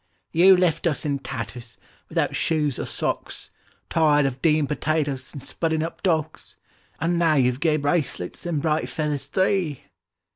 —"You left us in tatters, without shoes or socks, Tired of digging potatoes, and spudding up docks; And now you've gay bracelets and bright feathers three!"